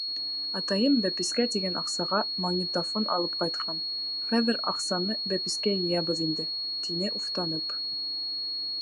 Атайым бәпескә тигән аҡсаға магнитофон алып ҡайтҡан, хәҙер аҡсаны бәпескә йыябыҙ инде, — тине уфтанып.